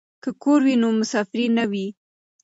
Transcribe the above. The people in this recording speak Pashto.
که کور وي نو مسافري نه وي.